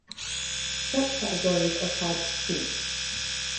Such categories are called discrete.